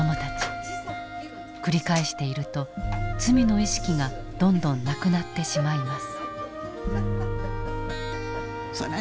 繰り返していると罪の意識がどんどんなくなってしまいます。